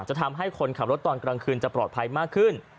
จะทำให้คนขับรถตอนกลางคืนจะปลอดภัยมากขึ้น